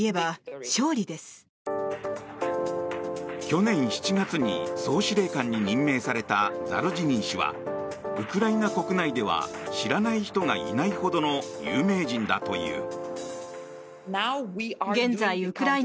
去年７月に総司令官に任命されたザルジニー氏はウクライナ国内では知らない人がいないほどの有名人だという。